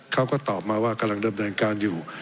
เขาก็ตอบมาว่ากำลังดำเนินการอยู่